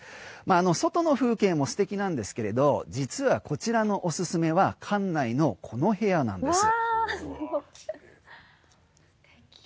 外の風景もすてきなんですが実はこちらのおすすめは館内のこの部屋なんです。